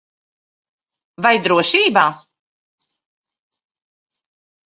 Vai drošībā?